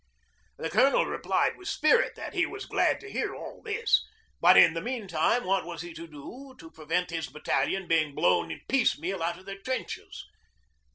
The Colonel replied with spirit that he was glad to hear all this, but in the meantime what was he to do to prevent his battalion being blown piecemeal out of their trenches?